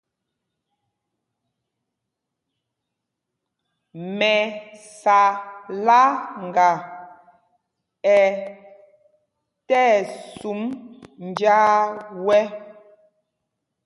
Mɛsáláŋga ɛ tí ɛsum njāā wɛ̄.